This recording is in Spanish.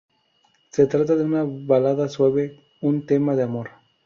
Se trata de una balada suave, un tema de amor.